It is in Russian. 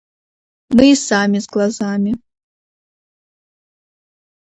– Мы и сами с глазами.